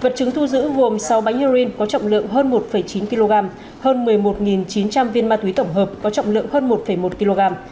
vật chứng thu giữ gồm sáu bánh heroin có trọng lượng hơn một chín kg hơn một mươi một chín trăm linh viên ma túy tổng hợp có trọng lượng hơn một một kg